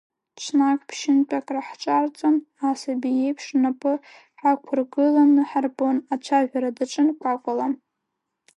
Ҽнак ԥшьынтә акраҳҿарҵон, асаби иеиԥш рнапы ҳақәыргыланы ҳарбон, ацәажәара даҿын Кәакәала.